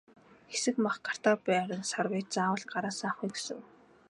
Хэсэг мах гартаа барин сарвайж заавал гараасаа авахыг хүсэв.